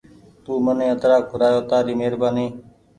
تو مني اترآن کورآيو تآري مهربآني